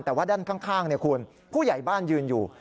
แต่ว่าด้านข้างคุณผู้ใหญ่บ้านยืนอยู่